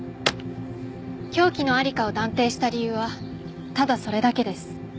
凶器の在りかを断定した理由はただそれだけです。